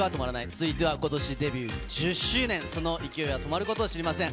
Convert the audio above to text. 続いては、ことしデビュー１０周年、その勢いは止まることを知りません。